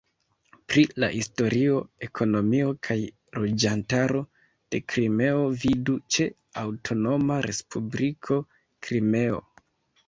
Pri la historio, ekonomio kaj loĝantaro de Krimeo vidu ĉe Aŭtonoma Respubliko Krimeo.